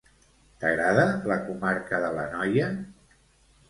T'agrada la comarca de l'Anoia?